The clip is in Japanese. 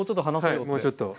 はいもうちょっと。